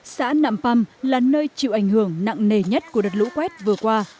xã nạm păm là nơi chịu ảnh hưởng nặng nề nhất của đợt lũ quét vừa qua